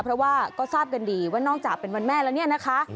เพราะว่าก็ทราบกันดีว่านอกจากเป็นวันแม่แล้วเนี่ยนะคะ